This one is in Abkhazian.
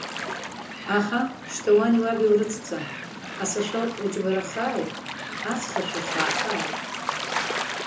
Аҳы, ушьҭа уани уаби урыцца, асыашәа уџьбарахааит, аҵх-ашәа ухаахааит!